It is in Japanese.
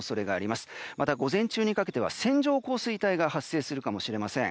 また、午前中にかけては線状降水帯が発生するかもしれません。